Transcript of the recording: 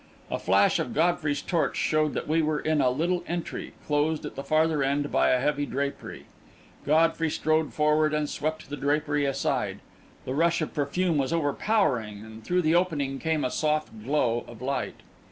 A flash of Godfrey's torch showed that we were in a little entry, closed at the farther end by a heavy drapery. Godfrey strode forward and swept the drapery aside. The rush of perfume was over powering, and through the opening came a soft glow of light.